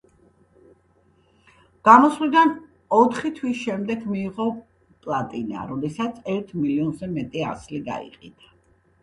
გამოსვლიდან ოთხი თვის შემდეგ მიიღო პლატინა, როდესაც ერთ მილიონზე მეტი ასლი გაიყიდა.